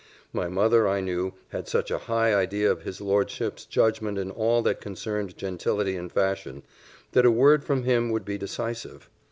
My mother, I knew, had such a high idea of his lordship's judgment in all that concerned gentility and fashion, that a word from him would be decisive.